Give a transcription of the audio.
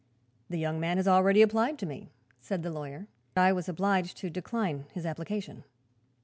"The young man has already applied to me," said the lawyer. "I was obliged to decline his application."